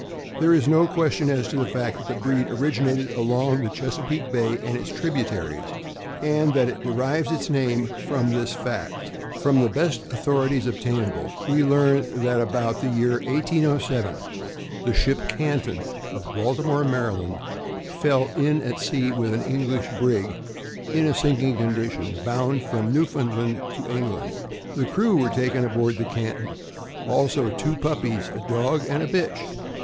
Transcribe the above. There is no question as to the fact that the breed originated along the Chesapeake Bay and its tributaries, and that it derives its name from this fact. From the best authorities obtainable, we learn that about the year 1807, the ship Canton, of Baltimore, Md., fell in at *See frontispiece. — ED. THE CHESAPEAKE BAY DOG. 359 sea with an English brig, in a sinking condition, bound from Newfoundland to England. The crew were taken aboard the Canton; also two puppies, a dog and a bitch.